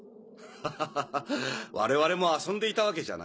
ハハハ我々も遊んでいたわけじゃない。